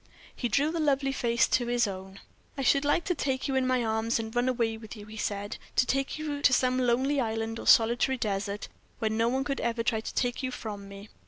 He drew the lovely face to his own. "I should like to take you in my arms and run away with you," he said; "to take you to some lonely island or solitary desert, where no one could ever try to take you from me."